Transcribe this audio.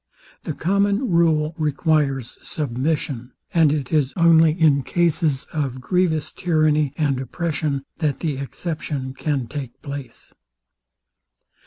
The common rule requires submission; and it is only in cases of grievous tyranny and oppression, that the exception can take place.